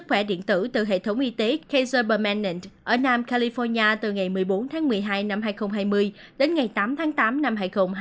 tăng cường vệ điện tử từ hệ thống y tế kaiser permanent ở nam california từ ngày một mươi bốn tháng một mươi hai năm hai nghìn hai mươi đến ngày tám tháng tám năm hai nghìn hai mươi một